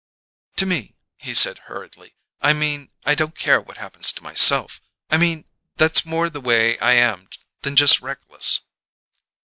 "To me," he said hurriedly. "I mean I don't care what happens to myself. I mean that's more the way I am than just reckless."